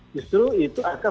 justru itu akan menimbulkan